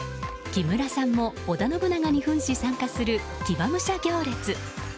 木村さんも織田信長に扮し参加する、騎馬武者行列。